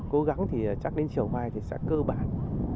cố gắng thì chắc đến chiều mai thì sẽ cơ bản